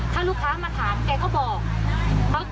ถ้าลูกค้ามาถามแกก็บอก